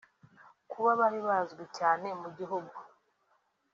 Kuba bari bazwi cyane mu gihugu